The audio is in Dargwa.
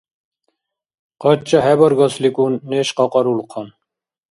Къача хӀебаргасликӀун неш кьакьарулхъан.